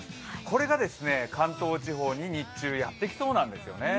これが関東地方に日中、やってきそうなんですよね。